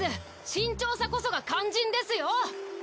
慎重さこそが肝心ですよ！